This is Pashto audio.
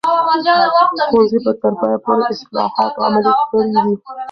ښوونځي به تر پایه پورې اصلاحات عملي کړي وي.